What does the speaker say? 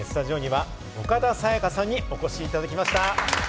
スタジオには岡田紗佳さんにお越しいただきました。